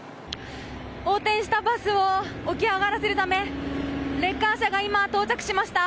横転したバスを起き上がらせるためレッカー車が到着しました。